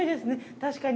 確かに。